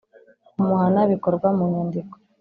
Kumuhana bikorwa mu nyandiko